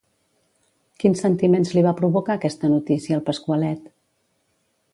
Quins sentiments li va provocar aquesta notícia al Pasqualet?